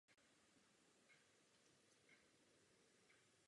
Vznikla tím ledová přehrada s obrovským jezerem.